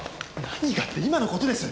「何が？」って今の事です。